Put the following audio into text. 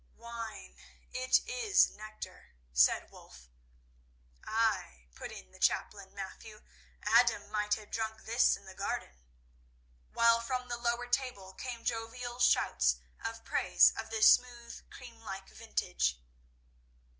"Wine! It is nectar!" said Wulf. "Ay," put in the chaplain, Matthew; "Adam might have drunk this in the Garden," while from the lower table came jovial shouts of praise of this smooth, creamlike vintage.